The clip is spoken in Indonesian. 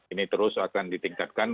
ini terus akan ditingkatkan